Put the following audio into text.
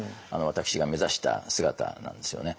私が目指した姿なんですよね。